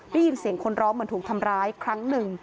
ได้ยินเสียงคนร้องเหมือนถูกทำร้ายครั้งหนึ่ง